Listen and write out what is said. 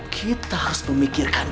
kita harus memikirkan